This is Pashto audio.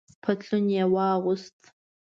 پتلون یې واغوست.